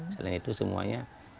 selain itu semuanya